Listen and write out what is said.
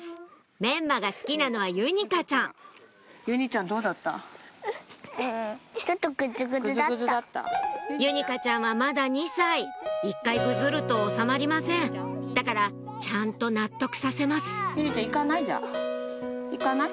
メンマが好きなのはゆにかちゃんゆにかちゃんはまだ２歳１回ぐずると収まりませんだからちゃんと納得させます行かない？